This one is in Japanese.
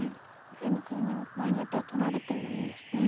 右辺の黒２目場合によっては取られてもいいんですね。